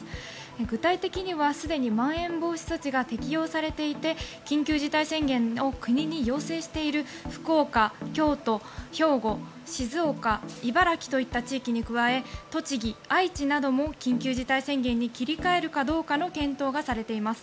具体的にはすでにまん延防止措置が適用されていて緊急事態宣言を国に要請している福岡、京都、兵庫、静岡茨城といった地域に加え栃木、愛知なども緊急事態宣言に切り替えるかどうかの検討がされています。